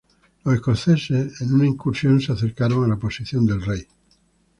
Los escoceses, en una incursión, se acercaron a la posición del rey.